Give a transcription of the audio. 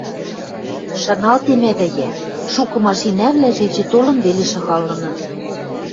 Шаналтемӓдӓ йӓ: шукы машинӓвлӓжӹ эче толын веле шагалыныт.